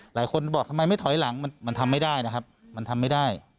หลายคนบอกทำไมไม่ถอยหลังมันทำไม่ได้นะครับมันทำไม่ได้